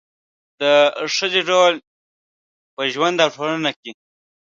د ښځې رول په ژوند او ټولنه کې